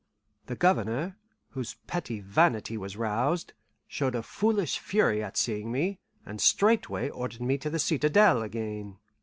The Governor, whose petty vanity was roused, showed a foolish fury at seeing me, and straightway ordered me to the citadel again.